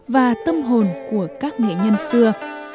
và tâm hồn của các nghệ nhân xưa